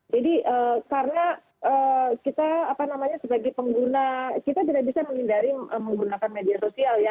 jadi karena kita apa namanya sebagai pengguna kita tidak bisa menghindari menggunakan media sosial ya